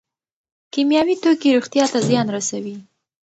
کیمیاوي توکي روغتیا ته زیان رسوي.